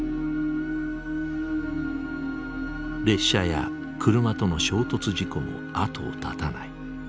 列車や車との衝突事故も後を絶たない。